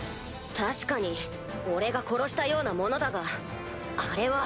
確かに俺が殺したようなものだがあれは。